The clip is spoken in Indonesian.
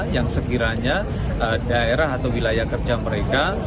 yang sekiranya daerah atau wilayah kerja mereka